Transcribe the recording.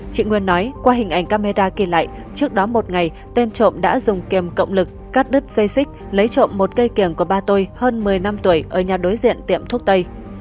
chị nguyên nói qua hình ảnh camera ghi lại trước đó một ngày tên trộm đã dùng kiềm cộng lực cắt đứt dây xích lấy trộm một cây kiềng của ba tôi hơn một mươi năm tuổi ở nhà đối diện tiệm thuốc tây